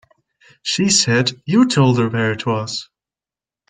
She said you told her where it was.